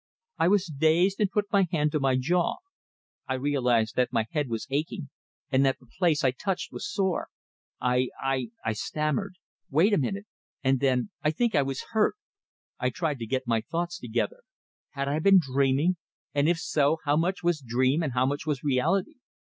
I was dazed, and put my hand to my jaw. I realized that my head was aching, and that the place I touched was sore. "I I " I stammered. "Wait a minute." And then, "I think I was hurt." I tried to get my thoughts together. Had I been dreaming; and if so, how much was dream and how much was reality?